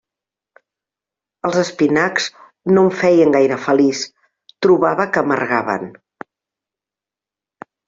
Els espinacs no em feien gaire feliç, trobava que amargaven.